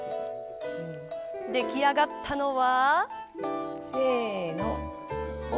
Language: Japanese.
出来上がったのは。